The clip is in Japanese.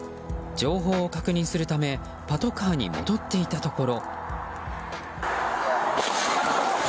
情報を確認するためパトカーに戻っていたところ。